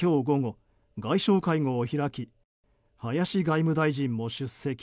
午後外相会合を開き林外務大臣も出席。